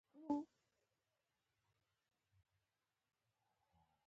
یو په وینز کې مېشت او بل کاروان سره تلونکی و.